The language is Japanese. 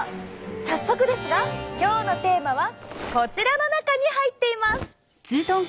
早速ですが今日のテーマはこちらの中に入っています！